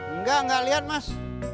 enggak enggak liat mas